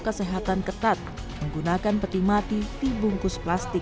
kesehatan ketat menggunakan peti mati dibungkus plastik